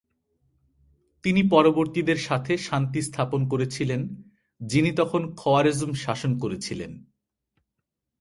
তিনি পরবর্তীদের সাথে শান্তি স্থাপন করেছিলেন যিনি তখন খওয়ারেজম শাসন করেছিলেন।